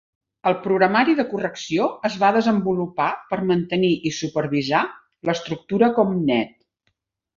El programari de correcció es va desenvolupar per mantenir i supervisar l'estructura ComNet.